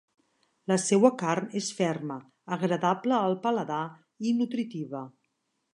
La seua carn és ferma, agradable al paladar i nutritiva.